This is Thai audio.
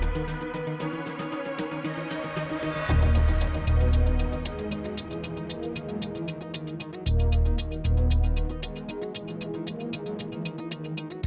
ตามกล้องตามรูปภาพวิดีโอที่อยู่ในกล้องครับผม